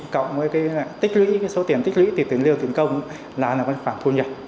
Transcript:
cộng với số tiền tích lũy từ tiền lưu tiền công là một khoản thu nhập